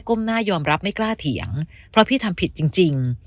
้มหน้ายอมรับไม่กล้าเถียงเพราะพี่ทำผิดจริง